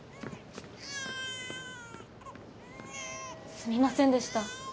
すみませんでした。